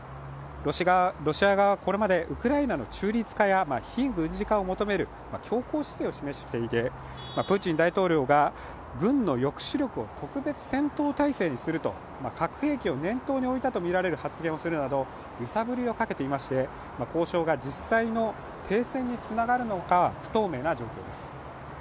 ロシア側はこれまでウクライナの中立化や非軍事化を求める強硬姿勢を示していて、プーチン大統領が軍の抑止力を特別戦闘態勢にすると核兵器を念頭に置いたとみられる発言をするなど揺さぶりをかけていまして、交渉が実際の停戦につながるのかは不透明な状況です。